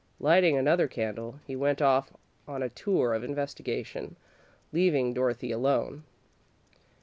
Lighting another candle, he went off on a tour of investigation, leaving Dorothy alone.